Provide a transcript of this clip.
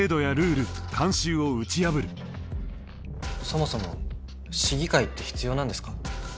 そもそも市議会って必要なんですか？